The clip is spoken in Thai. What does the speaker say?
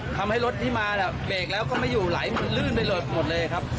ทำให้รถที่มาเบรกแล้วก็ไม่อยู่ไหลมันลื่นไปหล่นหมดเลยครับ